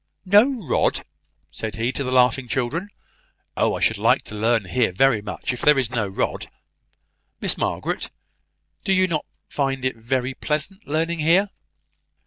"No rod!" said he to the laughing children. "Oh, I should like to learn here very much, if there is no rod. Miss Margaret, do you not find it very pleasant learning here?"